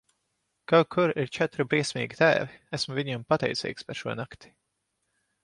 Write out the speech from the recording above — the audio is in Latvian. Kaut kur ir četri briesmīgi tēvi, esmu viņiem pateicīgs par šo nakti.